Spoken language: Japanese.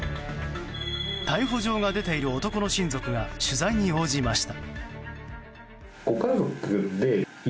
逮捕状が出ている男の親族が取材に応じました。